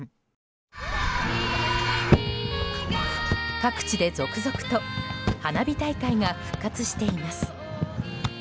各地で続々と花火大会が復活しています。